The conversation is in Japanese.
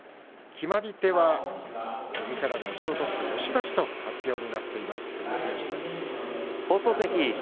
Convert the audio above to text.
決まり手は右からの押しを取って押し出しという発表になっています照強です。